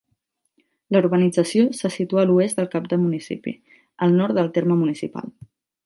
La urbanització se situa a l'oest del cap de municipi, al nord del terme municipal.